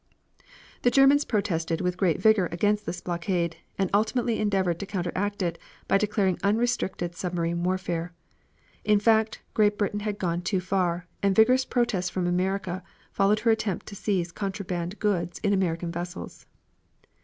The Germans protested with great vigor against this blockade, and ultimately endeavored to counteract it by declaring unrestricted submarine warfare. In fact, Great Britain had gone too far, and vigorous protests from America followed her attempt to seize contraband goods in American vessels.